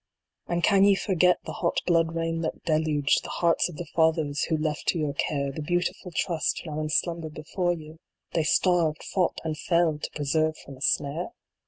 And can ye forget the hot blood rain that deluged The Hearts of the Fathers, who left to your care The beautiful Trust now in slumber before you, They starved, fought, and fell to preserve from a snare